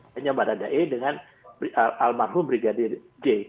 hanya baradae dengan almarhum brigade d